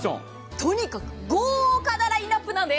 とにかく豪華なラインナップなんです。